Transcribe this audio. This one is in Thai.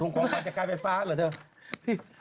ภูมิของความจะกลายไปฟ้าหรือเถอะ